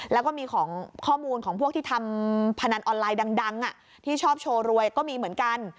แล้วก็มีของข้อมูลของพวกที่ทำพนันออนไลน์ดังที่ชอบโชว์รวยก็มีเหมือนกัน